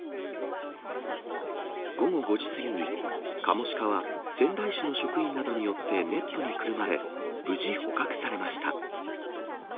午後５時過ぎに、カモシカは仙台市の職員などによってネットにくるまれ、無事捕獲されました。